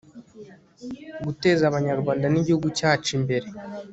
guteza abanyarwanda n'igihugu cyacu imbere